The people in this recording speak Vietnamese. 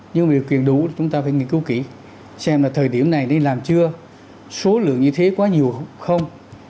nhưng điều kiện đủ chúng ta phải nghiên cứu kỹ xem là thời điểm này đi làm chưa số lượng như thế quá nhiều không